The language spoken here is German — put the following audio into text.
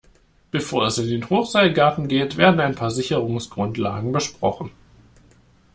Bevor es in den Hochseilgarten geht, werden ein paar Sicherungsgrundlagen besprochen.